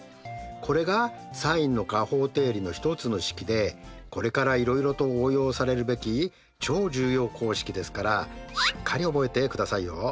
これがｓｉｎの加法定理の一つの式でこれからいろいろと応用されるべき超重要公式ですからしっかり覚えてくださいよ。